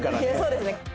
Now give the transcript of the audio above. そうですね。